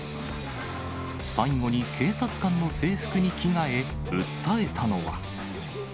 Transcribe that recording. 最後に警察官の制服に着替え、訴えたのは。